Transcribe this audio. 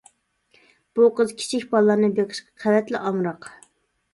بۇ قىز كىچىك بالىلارنى بېقىشقا قەۋەتلا ئامراق.